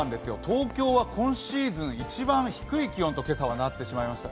東京は今朝、今シーズン一番低い気温となってしまいました。